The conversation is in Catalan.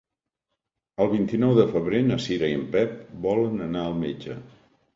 El vint-i-nou de febrer na Cira i en Pep volen anar al metge.